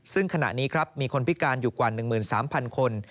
ซึ่งขณะนี้ครับมีคนพิการอยู่กว่า๑๓๐๐คน